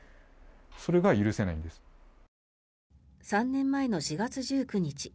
３年前の４月１９日